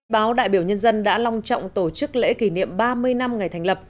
báo đại biểu nhân dân đã long trọng tổ chức lễ kỷ niệm ba mươi năm ngày thành lập